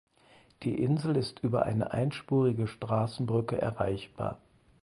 Die Insel ist über eine einspurige Straßenbrücke erreichbar.